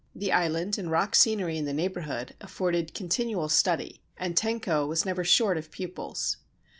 The island and rock scenery in the neighbourhood afforded continual study, and Tenko was never short of pupils.